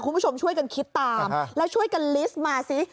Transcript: คุณผู้ชมช่วยกันคิดตามแล้วช่วยกันลิสต์มาซิ